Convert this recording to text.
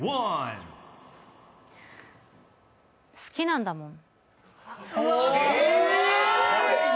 好きなんだもん。